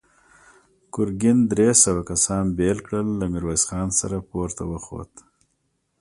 ګرګين درې سوه کسان بېل کړل، له ميرويس خان سره پورته وخوت.